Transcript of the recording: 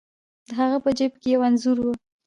د هغه په جیب کې یو انځور و.